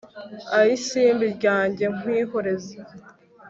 Ayi simbi ryanjye nkwihoreze